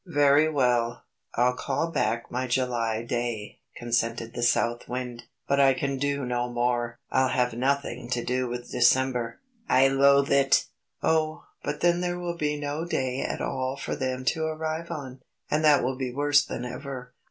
"Very well, I'll call back my July day," consented the South Wind. "But I can do no more. I'll have nothing to do with December. I loathe it!" "Oh, but then there will be no day at all for them to arrive on and that will be worse than ever.